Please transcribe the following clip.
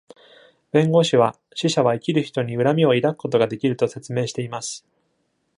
弁護士は、死者は生きる人に恨みを抱くことができると説明しています。